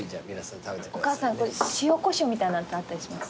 お母さんこれ塩こしょうみたいなのってあったりします？